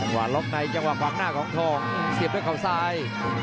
หลักไหนจังหวังหน้าของทองเสียบด้วยข้าวซ้าย